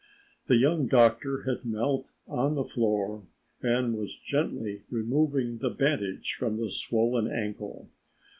The young doctor had knelt on the floor and was gently removing the bandage from the swollen ankle.